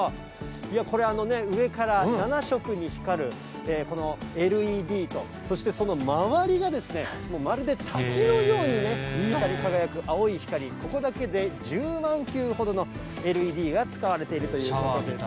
これ、上から７色に光るこのＬＥＤと、そしてその周りが、もうまるで滝のようにね、光り輝く青い光、ここだけで１０万球ほどのＬＥＤが使われているということです。